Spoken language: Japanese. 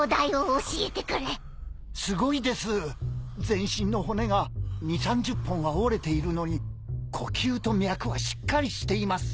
全身の骨が２０３０本は折れているのに呼吸と脈はしっかりしています。